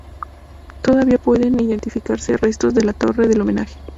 Todavía pueden identificarse restos de la torre del homenaje.